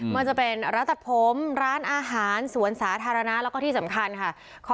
ว่าจะเป็นร้านตัดผมร้านอาหารสวนสาธารณะแล้วก็ที่สำคัญค่ะ